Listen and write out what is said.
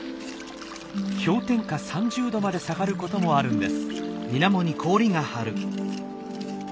氷点下３０℃まで下がることもあるんです。